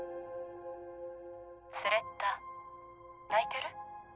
スレッタ泣いてる？